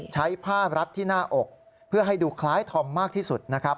ใช้ผ้ารัดที่หน้าอกเพื่อให้ดูคล้ายธอมมากที่สุดนะครับ